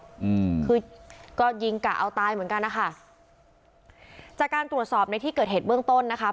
อืมคือก็ยิงกะเอาตายเหมือนกันนะคะจากการตรวจสอบในที่เกิดเหตุเบื้องต้นนะคะ